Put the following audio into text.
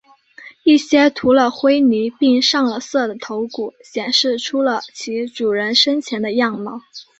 一些涂了灰泥并上了色的头骨显示出了其主人生前的样貌。